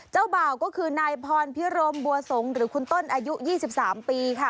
เจ้าบ่าวก็คือนายพรพิรมบัวสงศหรือคุณต้นอายุ๒๓ปีค่ะ